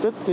cho anh em